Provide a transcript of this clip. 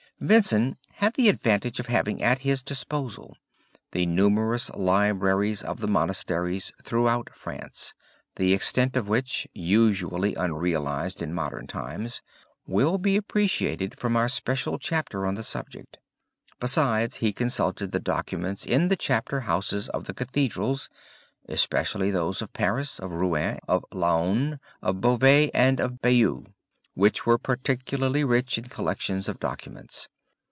Vincent had the advantage of having at his disposition the numerous libraries of the monasteries throughout France, the extent of which, usually unrealized in modern times, will be appreciated from our special chapter on the subject. Besides he consulted the documents in the chapter houses of the Cathedrals especially those of Paris, of Rouen, of Laon, of Beauvais and of Bayeux, which were particularly rich in collections of documents.